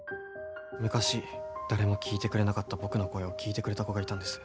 昔誰も聞いてくれなかった僕の声を聞いてくれた子がいたんです。